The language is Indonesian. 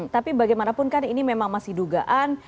tapi bagaimanapun kan ini memang masih dugaan